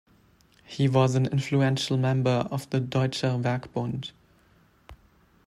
He was an influential member of the Deutscher Werkbund.